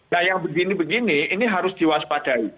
nah yang begini begini ini harus diwaspadai